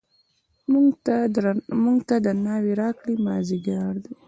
موږ ته ناوې راکړئ مازدیګر دی.